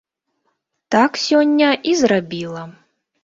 Так сёння і зрабіла.